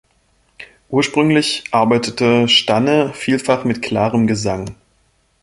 Ursprünglich arbeitete Stanne vielfach mit klarem Gesang.